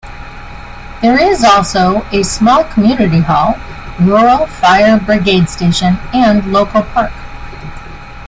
There is also a small community hall, Rural Fire Brigade station and local park.